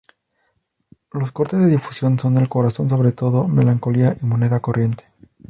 Los cortes de difusión son "El corazón sobre todo", "Melancolía" y "Moneda corriente".